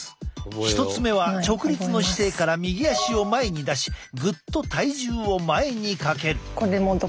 １つ目は直立の姿勢から右足を前に出しぐっと体重を前にかける。